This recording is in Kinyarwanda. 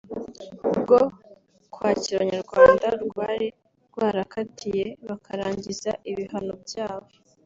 bwo kwakira Abanyarwanda rwari rwarakatiye bakarangiza ibihano byabo